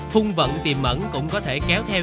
hung vận tìm mẫn cũng có thể kéo theo